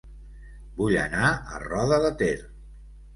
Vull anar a Roda de Ter